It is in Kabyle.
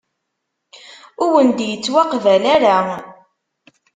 Ur wen-d-ittwaqbal ara.